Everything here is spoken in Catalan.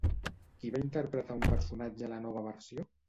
Qui va interpretar un personatge a la nova versió?